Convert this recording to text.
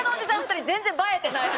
２人全然映えてない。